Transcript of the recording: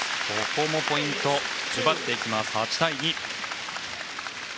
ここもポイントを奪っていきます。